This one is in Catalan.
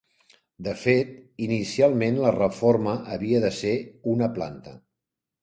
De fet, inicialment la reforma havia de ser una planta.